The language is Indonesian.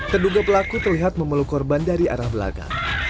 terduga pelaku terlihat memeluk korban dari arah belakang